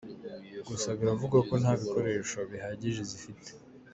Gusa, biravugwa ko nta bikoresho bihagije zifite.